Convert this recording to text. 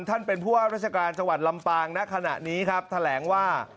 ท่านเป็นผู้ว่าราชการจังหวัดลำปางณขณะนี้ครับแถลงว่า